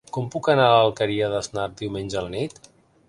Com puc anar a l'Alqueria d'Asnar diumenge a la nit?